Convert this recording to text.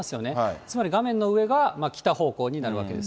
つまり画面の上が北方向になるわけです。